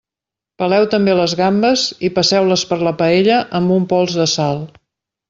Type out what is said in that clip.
Peleu també les gambes i passeu-les per la paella amb un pols de sal.